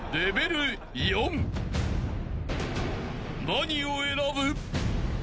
［何を選ぶ？］